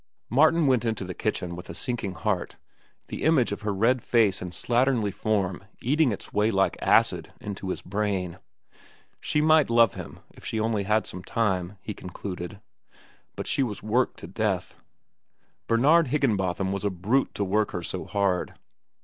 Martin went into the kitchen with a sinking heart, the image of her red face and slatternly form eating its way like acid into his brain. She might love him if she only had some time, he concluded. But she was worked to death. Bernard Higginbotham was a brute to work her so hard.